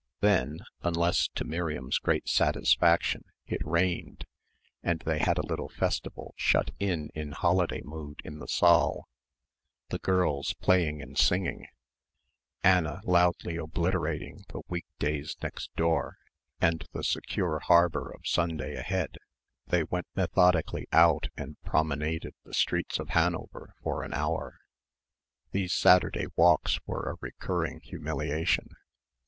Then unless to Miriam's great satisfaction it rained and they had a little festival shut in in holiday mood in the saal, the girls playing and singing, Anna loudly obliterating the week days next door and the secure harbour of Sunday ahead they went methodically out and promenaded the streets of Hanover for an hour. These Saturday walks were a recurring humiliation.